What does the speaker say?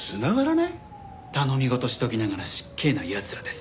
頼み事しておきながら失敬な奴らです。